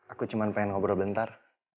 aku cuma pengen ngobrol bentar